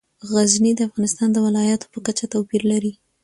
غزني د افغانستان د ولایاتو په کچه توپیر لري.